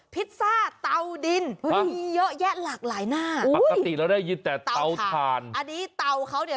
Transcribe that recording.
พิซซ่าเตาดินมีเยอะแยะหลากหลายหน้าปกติเราได้ยินแต่เตาถ่านอันนี้เตาเขาเนี่ย